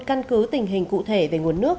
căn cứ tình hình cụ thể về nguồn nước